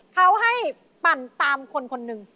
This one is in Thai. เขาให้ปั่นตามคนคนหนึ่ง